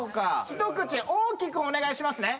一口大きくお願いしますね。